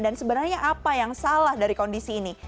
dan sebenarnya apa yang salah dari kondisi ini